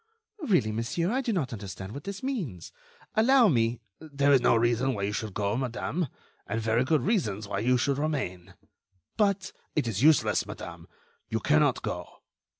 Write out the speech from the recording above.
"Really, monsieur, I do not understand what this means. Allow me—" "There is no reason why you should go, madame, and very good reasons why you should remain." "But—" "It is useless, madame. You cannot go."